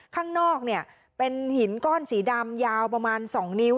ข้างนอกเนี่ยเป็นหินก้อนสีดำยาวประมาณ๒นิ้ว